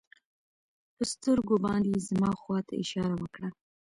په سترګو باندې يې زما خوا ته اشاره وکړه.